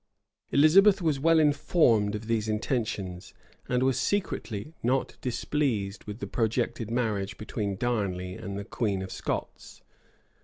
Elizabeth was well informed of these intentions;[*] and was secretly not displeased with the projected marriage between Darnley and the queen of Scots.